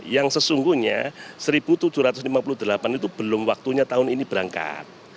yang sesungguhnya seribu tujuh ratus lima puluh delapan itu belum waktunya tahun ini berangkat